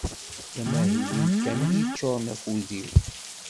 D amahil-iw kan iyi-ččuren akud-iw.